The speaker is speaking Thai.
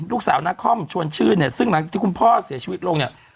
นครชวนชื่นเนี่ยซึ่งหลังจากที่คุณพ่อเสียชีวิตลงเนี่ย